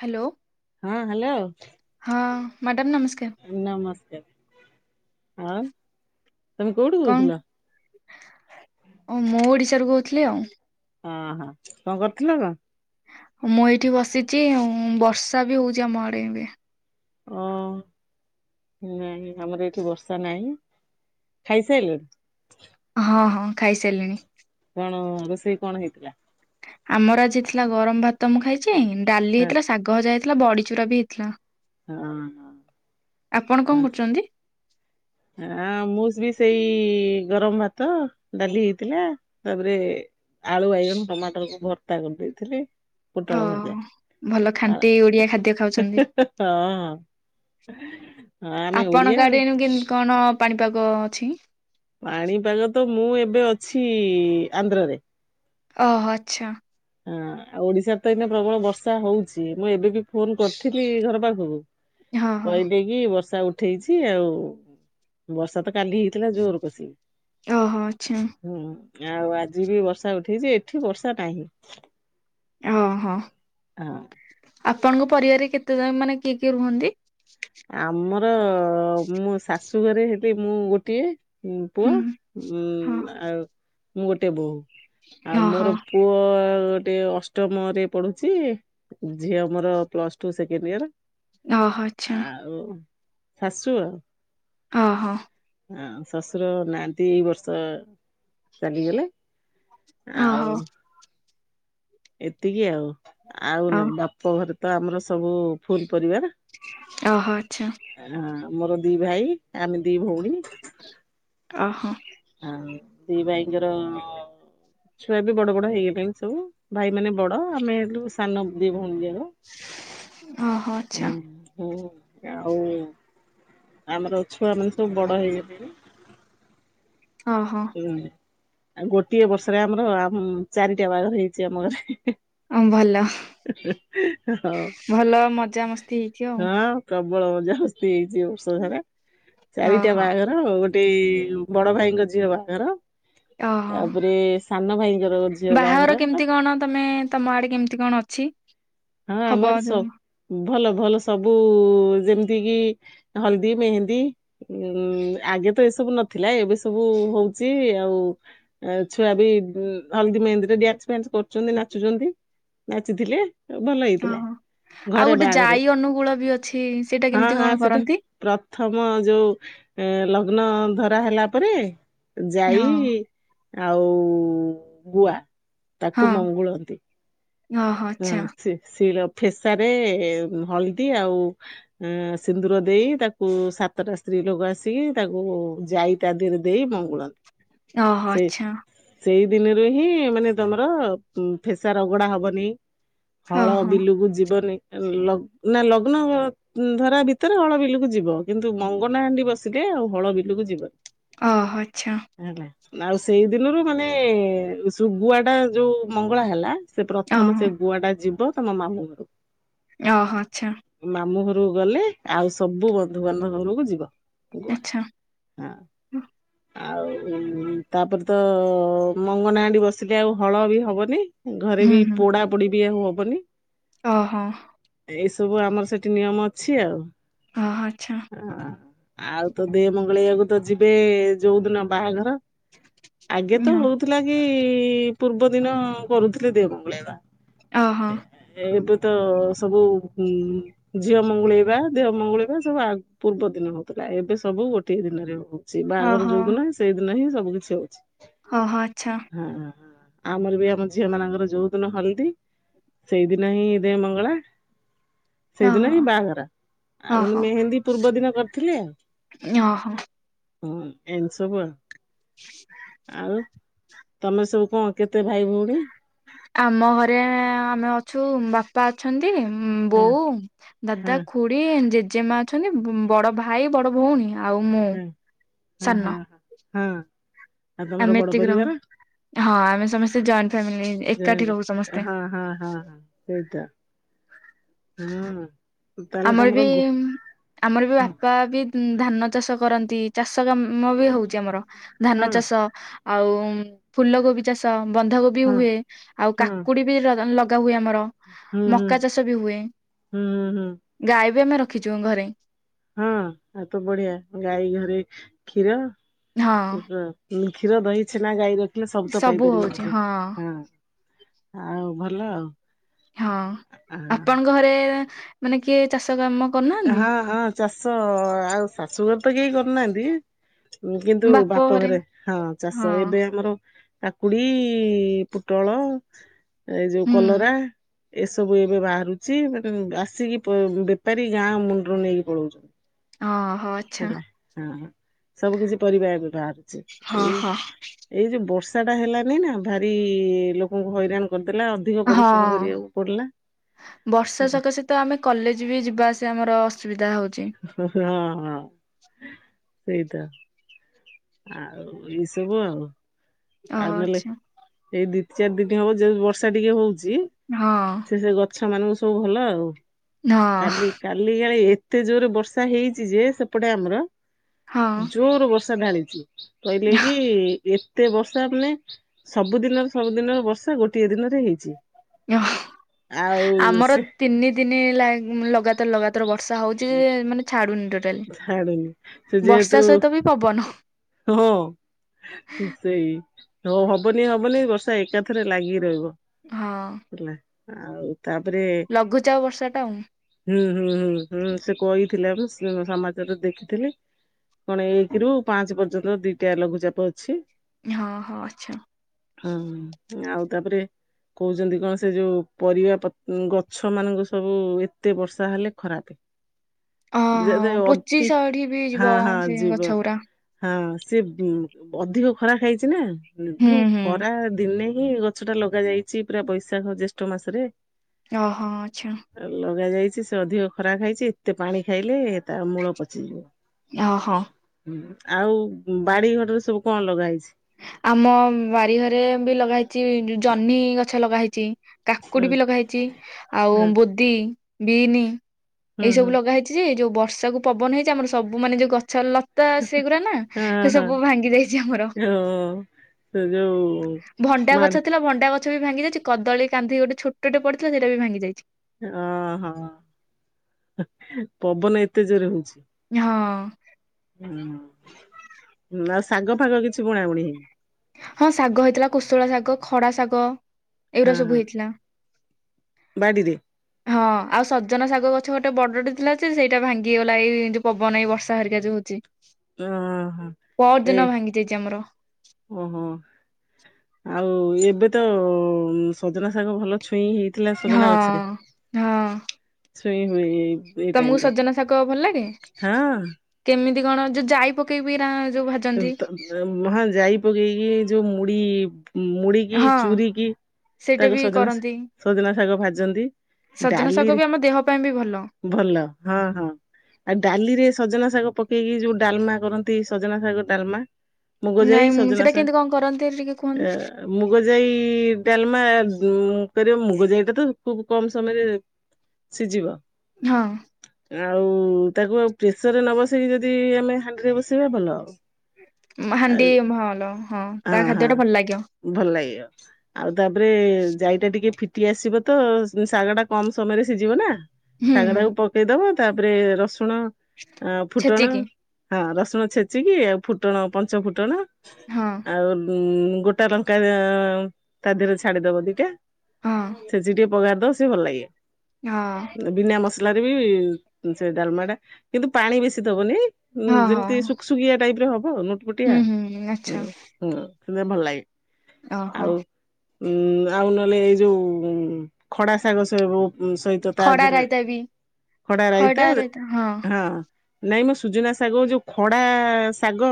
Hello, ହଁ hello ହଁ madam ନମସ୍କାର। ନମସ୍କାର ଆଁ ତମେ କୋଉଠୁ କଣ କହୁଥିଲ? ଓ ମୁଁ ଓଡିଶାରୁ କହୁଥିଲି ଆଉ। ହଁ, କଣ କରୁଥିଲ? ଉ ମୁଁ ଏଇଠି ବସିଛି ଆଉ ବର୍ଷା ବି ହଉଛି ଆମ ଆଡ଼େ ଏବେ। ଓ ନାଇଁ ଆମର ଏଠି ବର୍ଷା ନାହିଁ ଖାଇସାରିଲଣି? ହଁ ହଁ ଖାଇସାରିଲିଣି। କଣ ରୋଷେଇ କଣ ହେଇଥିଲା? ଆମର ଆଜି ଥିଲା ଗରମ ଭାତ ମୁଁ ଖାଇଛି ଡାଲି ହଁ ହେଇଥିଲା, ଶାଗ ଭଜା ହେଇଥିଲା ବଡିଚୁରା ବି ହେଇଥିଲା। ହଁ ଆପଣ କଣ ହଁ କରୁଛନ୍ତି? ହଁ ମୁଁ ବି ସେଇ ଗରମ ଭାତ ଡାଲି ହେଇଥିଲା ତାପରେ ଆଳୁ ବାଇଗଣ ଟମାଟରକୁୁ ଭତ୍ତା କରିଦେଇଥିଲି। ଓ ପୋଟଳ ଭଜା, ଭଲ ଆଉ ଖାଣ୍ଟି ଓଡିଆ ଖାଦ୍ୟ ଖାଉଛନ୍ତି ହଁ ହଁ ଆମେ ଆପଣଙ୍କ ଓଡିଆ ଆଡେ ଆଉ। ଏଣୁ କେମିତି କଣ ପାଣିପାଗ ଅଛି, ପାଣିପାଗ ତ ମୁଁ ଏବେ ଅଛି ଆନ୍ଧ୍ରରେ ଅହ ଆଚ୍ଛା ହଁ ଆଉ ଓଡିଶାରେ ତ ଏଇନା ପ୍ରବଳ ବର୍ଷା ହଉଛି ମୁଁ ଏବେ ବି ଫୋନ କରିଥିଲି ଘର ପାଖକୁ। ହଁ ହଁ କହିଲି କି ବର୍ଷା ଉଠେଇଛି ଆଉ ବର୍ଷା ତ କାଲି ହେଇଥିଲା ଜୋରକୁ ସେଇ। ଓହୋ ଆଛା ହୁଁ ଆଉ ଆଜି ବି ବର୍ଷା ଉଥେଇଛି ଏଠି ବର୍ଷା ନାହିଁ। ଓହୋ ହଁ ଆପଣଙ୍କ ପରିବାରରେ କେତେ କଣ ମାନେ କିଏ କିଏ ରୁହନ୍ତି? ଆମର ମୁଁ ଶାଶୁ ଘରେ ହେଲେ ମୁଁ ଗୋଟିଏ। ପୁଅ ହୁଁ ଉ ହଁ ଆଉ ମୁଁ ଗୋଟେ ବୋଉ ଆଉ ଓହୋ ମୋର ପୁଅ ଗୋଟେ ଅଷ୍ଟମରେ ପଢୁଛି। ଝିଅ ମୋର ପ୍ଲସ ଟୁ ସେକେଣ୍ଡ ଇୟର। ଅହ ଆଉ ଶାଶୁ ଆଉ ଅହ ହଁ ଶଶୁର ନାହାନ୍ତି ଏଇ ବର୍ଷ ଚାଲିଗଲେ। ଆଉ ଓହୋ ଏତିକି ଆଉ, ଆଉ ଓ ନହେଲେ ବାପ ଘରେ ତ ଆମର ସବୁ ଫୁଲ ପରିବାର। ଅହ ଆଛା ହଁ ମୋର ଦି ଭାଇ ଆମେ ଦି ଭଉଣୀ। ଅହ ହଁ ଦି ଭାଇଙ୍କର ଛୁଆ ବି ବଡ ବଡ ହେଇଗଲେଣି ସବୁ ଭାଇ ମାନେ ବଡ ଆମେ ହେଲୁ ସାନ ଦି ଭଉଣୀ ଯାଙ୍କ। ଓହୋ ଆଚ୍ଛା ହୁଁ ହୁଁ। ହୁଁ ଆଉ ଆମର ଛୁଆ ମାନେ ସବୁ ବଡ ହେଇଗଲେଣି। ଅହଁ ହୁଁ ଆଉ ଗୋଟିଏ ବର୍ଷରେ ଆମର ଆମ ଚାରିଟା ବାହାଘର ହେଇଛି ଆମ ଘରେ। ଅଁ ଭଲ [unintelligible] ହଉ, ଭଲ ମଜାମସ୍ତି ହେଇଛି ଆଉ? ପ୍ରବଳ ମଜାମସ୍ତି ହେଇଛି ଏ ବର୍ଷସାରା, ଚାରିଟା ଓହୋ ବାହାଘର ର ଗୋଟେ ଏଇ ଯୋଉ ବଡ ଭାଇଙ୍କ ଝିଅ ବାହାଘର। ଓହୋ ତାପରେ ସାନ ଭାଇଙ୍କର ଝିଅ ବାହାଘର ହେଲା। କଣ ତମେ ତମ ଆଡେ କେମିତି କଣ ଅଛି? ହଁ ହବ ଆମ ଆଡେ ଯୋଉ ସ ଭଲ ଭଲ ସବୁ ଯେମିତି କିି ହଲ୍ଦୀ ମେହେନ୍ଦୀ। ଉଁ ଆଗେ ତ ଏସବୁ ନଥିଲା ଏବେ ସବୁ ହଉଛି ଆଉ। ଆ ଛୁଆ ବି ହଳଦୀ ମେହେନ୍ଦୀରେ ଡ୍ୟାନ୍ସ ଫ୍ୟାନ୍ସ କରୁଛନ୍ତି ନାଚୁଛନ୍ତି। ନାଚିଥିଲେ ଭଲ ହେଇଥିଲା। ଓହୋ ଆଉ ଘରେ ଗୋଟେ ବାହାଘର ଜାଇ ଅନୁକୂଳ ବି ଅଛି ସେଇଟା ହଁ କେମିତି ହଁ କଣ ସେଟା କରନ୍ତି? ପ୍ରଥମ ଯୋଉ ଏଁ ଲଗ୍ନ ଧରା ହେଲା ପରେ ଯାଇ ହଁ ଆଉ ଗୁଆ ହଁ ତାକୁ ମଙ୍ଗୁଳନ୍ତି। ଓହୋ ହଁ ଆଚ୍ଛା ଶି ଶିଳ ଫେସାରେ ହଳଦୀ ଆଉ ଆଁ ସିନ୍ଦୁର ଦେଇ ତାକୁ ସାତଟା ସ୍ତ୍ରୀଲୋକ ଆସିକି ତାକୁ ଯାଇ ତା ଦିହରେ ଦେଇ ମଙ୍ଗୁଳନ୍ତି। ଓହୋ ସେ ଆଚ୍ଛା। ସେଇ ଦିନରୁ ହିଁ ମାନେ ତମର ଫେସା ରଗଡ଼ା ହବନି। ହଳ ଓହୋ ବିଲକୁ ଯିବନି, ଲଗ୍ ନା ଲଗ୍ନ ଉଁ ଧରା ଭିତରେ ହଳ ବିଲକୁ ଯିବ କିନ୍ତୁ ମଙ୍ଗନାହାଣ୍ଡି ବସିଲେ ଆଉ ହଳ ବିଲକୁ ଯିବନି। ଅହଃ ଆଚ୍ଛା। ହେଲା, ଆଉ ସେଇ ଦିନରୁ ମାନେ ସୁ ଗୁଆ ଟା ଯୋଉ ମଙ୍ଗଳା ହେଲା ସେ ପ୍ରଥମେ ଓହୋ ସେ ଗୁଆଟା ଯିବ ତମ ମାମୁଁ ଘରକୁ। ୟହ ଆଚ୍ଛା। ମାମୁଁ ଘରକୁ ଗଲେ ଆଉ ସବୁ ବନ୍ଧୁବାନ୍ଧବ ଘରକୁ ଯିବ ଗୁଆ। ଆଚ୍ଛା ହଁ। ଆଉ ଉଁ ତାପରେ ତ ମଙ୍ଗନା ହାଣ୍ଡି ବସିଲେ ଆଉ ହଳ ବି ହବନି। ଘରେ ହୁଁ ବି ପୋଡା ପୋଡି ବି ଆଉ ହବନି। ଅହଁ। ଏଇ ସବୁ ଆମର ସେଠି ନିୟମ ଅଛି ଆଉ। ଅହୋ ଆଚ୍ଛା। [inaudible] ଆଉ ତ ଦେଅ ମଙ୍ଗଳେଇବାକୁ ତ ଯିବେ ଯୋଉଦିନ ବାହାଘର। ଆଗେ ତ ହଉଥିଲା କି ପୂର୍ବଦିନ କରୁଥିଲେ ଦେଅ ମଙ୍ଗୁଳେଇବା। ଓହୋ ଏବେ ତ ତ ସବୁ ଉଁ ଝିଅ ମଙ୍ଗୁଳେଇବା ଦେହ ମଙ୍ଗୁଳେଇବା ସବୁ ଆ ପୂର୍ବଦିନ ହଉଥିଲା, ଏବେ ସବୁ ଗୋଟେ ଦିନରେ ହଉ ଛି, ବାହାଘର ଓହୋ ଯୋଉ ଦିନ ସେଇଦିନ ହିଁ ସବୁ କିଛି ହଉଛି। ହଁ ହଁ ଆଚ୍ଛା। ହଁ, ହଁ, ଆମର ବି ଆମ ଝିଅମାନଙ୍କର ଯୋଉ ଦିନ ହଲ୍, ଦୀ ସେଇଦିନ ହିଁ ଦେ ମଙ୍ଗଳା। ସେଇଦିନ ହିଁ ଓହୋ ବାହାଘର, ଆଉ କିନ୍ତୁ ଓହୋ ମେହେନ୍ଦୀ ପୂର୍ବ ଦିନ କରିଥିଲେ। [unintelligible] ହୁଁ ଏନ୍ ସବୁ ଆଉ, ଆଉ ତମେ ସବୁ କଣ କେତେ ଭାଇ ଭଉଣୀ? ଆମ ଘରେ ଆମେ ଅଛୁ, ବା ବାପା ଅଛନ୍ତି, ହଁ ବୋଉ, ହଁ ଦାଦା, ଖୁଡ଼ି। ଖୁଡ଼ି ଜେଜେମା ଅଛନ୍ତି। ବଡ ଭାଇ ବଡ ଭଉଣୀ। ଆଉ ମୁଁ ହଁ ହଁ ସାନ ହଁ ହଁ ଆଉ ତମର ଆମେ ବଡ ଏତିକି ରହୁ ପରିବାର। ହଁ ଆମେ ସମସ୍ତେ ଜଏଣ୍ଟେ ଫ୍ୟାମିଲି, ଏକାଠି ଜଏଣ୍ଟ ରହୁ ସମସ୍ତେ। ହଁ ହଁ ହଁ ହଁ। ସେଇଟା ହୁଁ। ତାହେଲେ ଆମର ତମର ବି ଗୋ ଆମର ବି ହଁ ବାପା ବି ଧାନ ଚାଷ କରନ୍ତି। ଚାଷ କାମ ବି ହୋଉଚି, ଆମର ହଁ ଧାନ ଚାଷ। ଆଉ ଫୁଲ କୋବି ଚାଷ ବନ୍ଧାକୋବି ହଁ ହୁଏ। ଆଉ ହଁ କାକୁଡି ବି ଲଗା ହୁଏ ଆମର ହୁଁ ହୁଁ। ମକା ଚାଷ ବି ହୁଏ। ହୁଁ ହୁଁ। ଗାଈ ବି ଆମେ ରଖିଚୁ ଘରେ। ହଁ ଆଉ ତ ବଢିଆ ଗାଈ ଘରେ କ୍ଷୀର। ହଁ କ୍ଷୀର ଦହି ଛେନା ଗାଈ ରଖିଲେ ସବୁ ତ ପାଇପାରିବ ବୋଧେ ହଁ। ଆଉ ଭଲ। ହଁ ଆପଣଙ୍କ ଘରେ, ମାନେ କିଏ ଚାଷ କାମ କରୁନାହାନ୍ତି? ହଁ ହଁ ଚାଷ ଆଉ ଶାଶୁ ଘରେ ତ କେହି କରୁନାହାନ୍ତି। କିନ୍ତୁ ବାପ ଘରେ ବାପଘରେ ହଁ ହଁ ଚାଷ ଏବେ ଆମର କାକୁଡି, ପୁଟଳ। ଏଇ ଯୋଉ ହୁଁ କଲରା ଏସବୁ ଏବେ ବାହାରୁଛି। ସେଟୁ ଆସିକି ବେପାରୀ ଗାଁ ମୁଣ୍ଡୁରୁ ନେଇକି ପଳଉଚନ୍ତି। ହଁ ହଁ। ହେଲା, ହଁ ସବୁ କିଛି ପରିବା ଏବେ ବାହାରୁଚି ହଁ ଏଇ ହଁ ଏଇ ଯୋଉ ବର୍ଷା ଟା ହେଲାନେହିଁ ନା ଭାରି ଲୋକଙ୍କୁ ହଇରାଣ କରିଦେଲା। ଅଧିକ ପରିଶ୍ରମ ହଁ କରିବାକୁ ପଡିଲା ବର୍ଷା ହେଲା। ସକାଶେ ତ ଆମେ କଲେଜେ ବି ଯିବା ଆସିବା ଆମର ଅସୁବିଧା ହୋଉଚି। ହୁଁ ହୁଁ ହଁ ହଁ ସେଇତ। ଆଉ ଏଇ ସବୁ ଆଉ। ଆଉ ଓହୋ ନହେଲେ ଆଚ୍ଛା ଏଇ ଦି ଚାରି ଦିନି ହବ ଯୋଉ ବର୍ଷା ଟିକେ ହୋଉଚି ହଁ ସେ ସେ ଗ ଗଛ ମାନଙ୍କୁ ସବୁ ଭଲ। ଆଉ ହଁ କାଲି କାଲି କାଳେ ଏତେ ଜୋରେ ବର୍ଷା ହେଇଚି ଯେ ସେପଟେ ଆମର ହଁ ଜୋର ବର୍ଷା ଢାଳିଚି। କହିଲେ କି ଏତେ ବ ବର୍ଷା ମାନେ ସବୁଦିନର ସବୁଦିନର ବର୍ଷା ଗୋଟିଏ ଦିନରେ ହେଇଚି। ଓହ ଆମର ତିନି ଦିନି ହେଲା, ଲଗାତର୍ ଲଗା ତର ବର୍ଷା ହୋଉଚି ଯେ ମାନେ ଛାଡୁନି ଟୋ ଛାଡୁନି, ସେ ଯେହେତୁ ବି ପବନ। ହୋ ହୋ। ସେଇ ହୋ ହବନି ହବନି ବର୍ଷା ଏକାଥରେ ଲାଗି ରହିବ। ହଁ। ହେଲା ଆଉ ତାପରେ ଲଘୁଚାପ ବର୍ଷା ଟା ଆଉ ହୁଁ ହୁଁ ହୁଁ ହୁଁ ସେ କହିଥିଲା ପା ସମାଜ ରେ ଦେଖିଥିଲେ। କଣ ଏକେ ରୁ ପାଞ୍ଚେ ପର୍ଯ୍ୟନ୍ତ, ଦିଟା ଲଘୁଚାପ ଅଛି। ହଁ ହଁ ଆଛା। ହଁ ଆଉ ତାପରେ କହୁଛନ୍ତି କଣ, ସେ ଯୋଉ ପରିବା ଗଛ ମାନଙ୍କୁ ସବୁ ଏତେ ବର୍ଷା ହେଲେ ଖରାପେ। ଅହ ଯଦି ପୋଚି ଅତି ଶାଢୀ ବି ଯିବ ହଁ ହଁ ସେ ଗଛ ଯିବ। ଗୁରା। ହଁ ସେ ଅଧିକ ଖରା ଖାଇଛି ନା ହୁଁ ନିର୍ଧୁମ ଖ ହୁଁ ଖରା ଦିନେ ହ୍ନି ଗଛଟା ଲଗା ଜାଇଛି ପୁରା ବୈଶାଖ ଜ୍ୟେଷ୍ଠ ମାସରେ। ଓହୋ ଆଚ୍ଛା। ଲଗା ଯାଇଛି ସେ ଅଧିକ ଖରା ଖାଇଛି ଏତେ ପାଣି ଖାଇଲେ ତା ମୂଳ ପଚିଯିବ। ଓହୋ ହୁଁ। ଆଉ ବାଡି ଘରେ ସବୁ କଣ ଲଗା ହେଇଛି? ଆମ ବାରିଘରେ ବି ଲଗାହେଇଛି ଜହ୍ନି ଗଛ ଲଗା ହେଇଛି। ହୁଁ କାକୁଡି ବି ଲଗା ହେଇଚି ଆଉ ହଁ ବୋଧି, ବିନ୍ ହୁଁ ଏଇ ହୁଁ ସବୁ ଲଗାହେଇ ଚି ଯେ ଯୋଉ ବର୍ଷାକୁ ପବନ ହେଇଚି ଆମର ସବୁ ମାନେ ଯୋଉ ଗଛ ଲ ତା ସେଗୁରା ନା ହଁ ସେ ସବୁ ଭାଙ୍ଗି ଯାଇଚି ଆମର। ହଁ ସେ ଯୋଉ ଭଣ୍ଡା ମାଡି ଗଛ ଥିଲା ଭଣ୍ଡା ଗଛ ବି ଭାଙ୍ଗି ଯାଇଚି, କଦଳୀ କାନ୍ଧି ଗୋଟେ ଛୋଟଟେ ପଡିଥିଲା ସେଇଟା ବି ଭାଙ୍ଗି ଯାଇଚି। ଅଁ ହଁ ପବନ ଏତେ ଜୋରେ ହଉଛି। ହଁ। ହୁଁ ହୁଁ ଆଉ ଶାଗ ଫାଗ କିଛି ବୁଣା ବୁଣି ହେଇନି? ହଁ ଶାଗ ହେଇଥିଲା କୋଶଳା ଶାଗ, ଖଡା ଶାଗ ଏଉରା ସବୁ ହେଇଥିଲା। ବାଡ଼ିରେ। ହଁ ଆଉ ସଜନା ଶାଗ ଗଛ ଗୋଟେ ବଡଟେ ଥିଲା ଯେ ସେଇଟା ଭାଙ୍ଗିଗଲା ଏଇ ଯୋଉ ପବନ ଏଇ ବର୍ଷା ହେରିକା ଯୋଉ ଯେ ଓହୋ ଏ ପହଦିନ ଭାଙ୍ଗି ଯାଇଚି ଆମର। ଓହୋ ଆଉ ଏବେ ତ ସଜନା ଶାଗ ଭଲ ଛୁଇଁ ହେଇଥିଲା ସଜନା ଗଛରେ ହଁ ହଁ ଛୁଇଁ ହୁଏ। ଏଇ ଟାଇମ ତମକୁ ରେ ସଜନା ଶାଗ ଭଲ ଲାଗେ? ହଁ କେମିତି କଣ ଯୋଉ ଯାଇ ପକେଇବି ନା ଯୋଉ ଭା କେମି ଆଉ ହଁ ଯାଇ ପକେଇକି ଯୋଉ ମୁଢ଼ି ମୁଢ଼ି କିି ହଁ ଚୁୁରୀ କି ସେଇଟା ତାକୁ ବି ସଜନା ଶା କରନ୍ତି ସଜନା ଶାଗ ଭାଜନ୍ତି ସଜନା ଶାଗ ଡାଲିରେ। ବି ଆମ ଦେହ ପାଇଁ ବି ଭଲ। ଭଲ ହଁ ହଁ। ଆଉ ଡାଲିରେ ସଜନା ଶାଗ ପକେଇକି ଯୋଉ ଡ଼ାଲମା କରନ୍ତି ସଜନା ଶାଗ ଡ଼ାଲମା। ମୁଗ ଯାଇ ନାଇଁ ମୁଁ ସଜନା ସେଇଟା ଶାଗ କେମିତି କଣ କରନ୍ତି ଟିକେ କୁହନ୍ତୁ ହଁ। ମୁଗ ଯାଇ ଡ଼ାଲମା ଉଁ କରିବା ମୁଗ ଯାଇଟା ତ ଖୁବ୍ କମ୍ ସମୟରେ ସିଜିବ। ହଁ। ଆଉ ତାକୁ ଆଉ ପ୍ରେସର ରେ ନ ବସେଇକି ଯଦି ଆମେ ହାଣ୍ଡିରେ ବସେଇବା ଭଲ ହବ। ହାଣ୍ଡି ଭଲ ହଁ ତା ଖାଦ୍ୟ ଟା ଭଲ ଲାଗିବ। ଭଲ୍ ଲାଗିବ। ଆଉ ତାପରେ ଯାଇଟା ଟିକେ ଫିଟି ଆସିବ ତ ଶାଗ ଟା କମ୍ ସମୟରେ ସିଜିବ ନା। ହୁଁ ଶାଗ ହୁଁ ଟାକୁ ପକେଇଦବ ତାପରେ ରସୁଣ ଆଉ ଫୁଟଣ ଛେଚିକି ହଁ ରସୁଣ ଛେଚିକି ଆଉ ଫୁଟଣ ପଞ୍ଚ ଫୁଟଣ ହଁ ଆଉ ଉଁ ଗୋଟା ଲଙ୍କା ତା ଦେହରେ ଛାଡିଦବ ଦିଟା। ହଁ ଛେଚିକି ଟିକେ ପଘାରି ଦବା ସେ ଭଲ୍ ଲାଗିବ। ହଁ। ବିନା ମସଲାରେ ବି ସେ ଡ଼ାଲମା ଟା କିନ୍ତୁ ପାଣି ବେଶୀ ଦବନି। ହୁଁ ହଁ ଯେମିତି ହଁ ଶୁକ୍ ସୁକିଆ ଟାଇପ୍ ର ହବ ନୋତ ହୁଁ ପତିଆ ହୁଁ ହୁଁ ଆଚ୍ଛା ହୁଁ ସେଉରା ଭଲ ଲାଗେ। ଓହୋ ଆଉ ଉଁ ଆଉ ନ ହେଲେ ଏଇ ଯୋଉ ଖଡା ଶାଗ ସବୁ ହୁଁ ସଇତ ତା ଖଡା ଦେହରେ ରାଇତା ବି ଖଡ଼ା ରାଇତା ହଁ। ନାଇଁ ମ ସୁଜନା ଶାଗକୁ ଯୋଉ ଖଡ଼ା ଶାଗ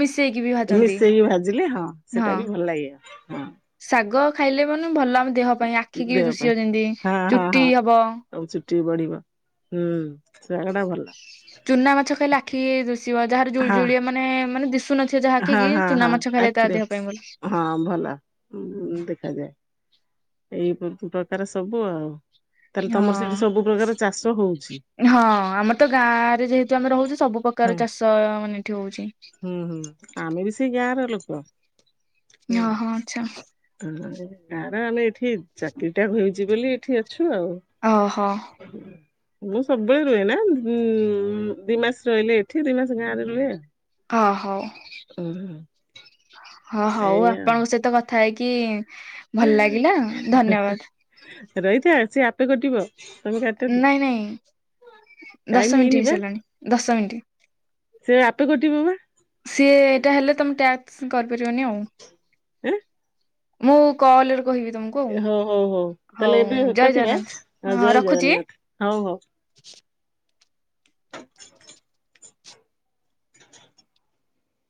ମିଶେଇକି ବି ଭାଜନ୍ତି। ମିଶେଇକି ଭାଜିଲେ ହଁ ସେଟା ବି ଭଲ ଲାଗିବ ହଁ। ଶାଗ ଖାଇଲେ ମାନେ ଭଲ ଆମ ଦେହ ପାଇଁ ଆଖିକି ଦେହ ଦୁଷିବ ଯେମତି ଚୁଟି ହବ। ଆଉ ଚୁଟି ବଢ଼ିବ ହୁଁ ସାଗ ଟା ଭଲ। ଚୁନା ମାଛ ଖାଇଲେ ଆଖିକି ଦିଶିବ ଯାହାର ଜୁଳି ହଁ ଜୁଳିଆ ମାନେ ମାନେ ଦିଶୁନ ସେ ହଁ ଯାହାକିକି ହଁ ଚୁନା ହଁ ମାଛ ଖାଇଲେ ତା ଆଖିରେ ଦେହ ପାଇଁ ଭଲ। ହଁ ଭଲ [unintelligible] ଦେଖାଯାଏ। ଏଇ [unintelligible] ପ୍ରକାର ସବୁ ଆଉ। ତାହେଲେ ତମର ସେଠି ହଁ ସବୁ ପ୍ରକାର ଚାଷ ହଉଛି ହଁ ଆମର ତ ଗାଁ ରେ ଯେହେ ଆମର ହଉଛି ସବୁ ହଁ ପ୍ରକାର ଚାଷ ମାନେ ଏଠି ହଉଛି। ହୁଁ ହୁଁ ଆମେ ବି ସେଇ ଗାଁ ର ଲୋକ। ହଁ ହଁ ଆଚ୍ଛା। ହ ଗାଁ ର ଆମେ ଏଠି ଚାକିରି ଟା ହେଉଛି ବୋଲି ଏଠି ଅଛୁ ଆଉ। ଆଅ ହ। [inaudible] ମୁଁ ସବୁବେଳେ ରୁହେ ନା ଦି ମାସ ରହିଲେ ଏଠି ଦି ମାସ ଗାଁ ରେ ରୁହେ ଆଉ। ଅ ହୋ ଓହୋ। ହଁ ହଉ ଏଇଆ ଆପଣଙ୍କ ସହିତ କ ଥାଇକି [unintelligible] ରହିଥା ସିଏ ଆପେ କଟିବ। ତମେ କାଟଟି ନାଇଁ ନାଇଁ ଟାଇମ ଦଶ ହେଇନି ମିଣ୍ଟି ବା। ହେଇସାରିଲାଣି ଦଶ ମିଣ୍ଟି। ସେ ଆପେ କଟିବ ବା। ସିଏ ଏଇଟା ହେଲେ ତମେ ଟ୍ୟାସ୍କ କରିପାରିବନି ଆଉ। ଆଁ? ମୁଁ କଲରେ କହିବି ତମ କୋଉଁ ହଉ ହଉ ହଉ ତାହେଲେ ଏବେ ହଉ ଜୟ କଟିବା। ଜଗନ୍ନାଥ ହଁ ଜୟ ରଖୁଛି? ଜଗନ୍ନାଥ ହଉ ହଉ।